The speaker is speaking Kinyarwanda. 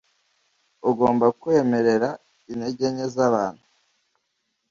Ugomba kwemerera intege nke zabantu .